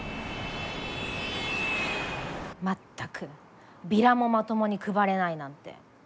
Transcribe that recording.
全くビラもまともに配れないなんて。